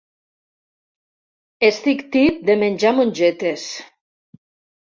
Estic tip de menjar mongetes.